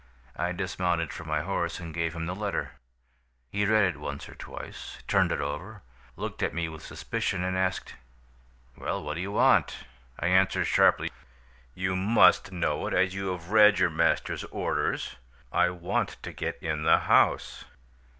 I dismounted from my horse and gave him the letter. He read it once or twice, turned it over, looked at me with suspicion, and asked: "'Well, what do you want?' "I answered sharply: "'You must know it as you have read your master's orders. I want to get in the house.'